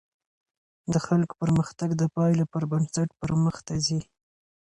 د خلګو پرمختګ د پایلو پر بنسټ پرمخته ځي.